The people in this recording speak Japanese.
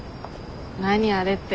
何あれって。